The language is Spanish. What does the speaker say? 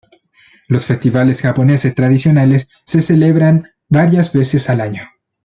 Los festivales japoneses tradicionales se celebran varias veces al año.